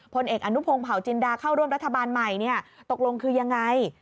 พลเอกอนุพงศ์เผาจินดาเข้าร่วมรัฐบาลใหม่ตกลงคือยังไง